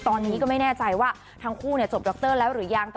ตอนนี้ก็ไม่แน่ใจว่าทั้งคู่เนี่ยจบด็อกเตอร์แล้วหรือยัง